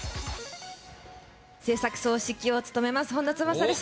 製作総指揮を務めます、本田翼です。